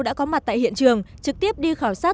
đã có mặt tại hiện trường trực tiếp đi khảo sát